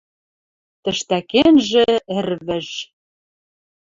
Тӹштӓкенжӹ — Ӹрвӹж